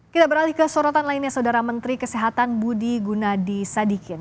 kita beralih ke sorotan lainnya saudara menteri kesehatan budi gunadi sadikin